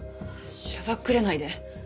しらばっくれないで。